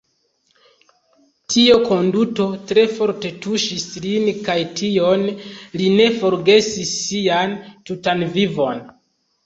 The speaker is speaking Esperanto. Tiu konduto tre forte tuŝis lin kaj tion li ne forgesis sian tutan vivon.